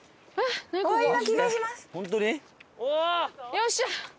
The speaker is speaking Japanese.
よっしゃー！